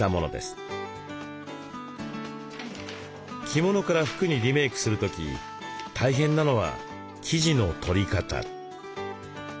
着物から服にリメイクする時大変なのは生地のとり方。